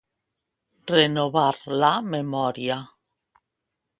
Renovar la memòria.